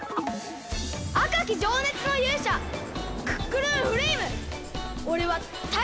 あかきじょうねつのゆうしゃクックルンフレイムおれはタイゾウ！